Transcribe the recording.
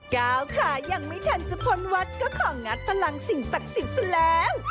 ก้าวขายังไม่ทันจะพ้นวัดก็ของงัดพลังสิ่งศักดิ์สิทธิ์ซะแล้ว